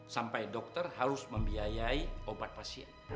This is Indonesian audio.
sampai dokter harus membiayai obat pasien